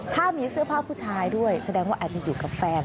ถ้ามีเสื้อผ้าผู้ชายด้วยแสดงว่าอาจจะอยู่กับแฟน